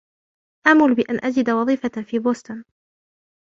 آمل بأن أجد وظيفة في بوستن.